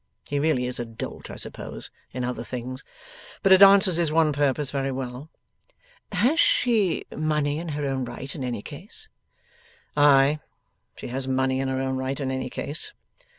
He really is a dolt, I suppose, in other things; but it answers his one purpose very well.' 'Has she money in her own right in any case?' 'Ay! she has money in her own right in any case.